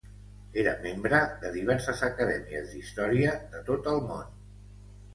Era membre de diverses acadèmies d'història de tot el món.